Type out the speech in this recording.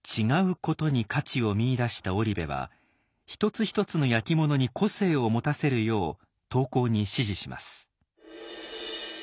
「違うこと」に価値を見いだした織部は一つ一つの焼き物に個性を持たせるよう陶工に指示します。